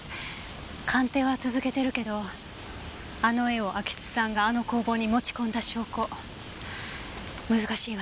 鑑定は続けてるけどあの絵を安芸津さんがあの工房に持ち込んだ証拠難しいわね。